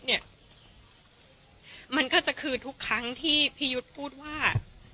พี่ยุทธเนี่ยมันก็จะคือทุกครั้งที่พี่ยุทธพูดว่า